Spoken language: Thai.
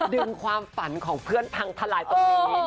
ดึงความฝันของเพื่อนพังทลายตรงนี้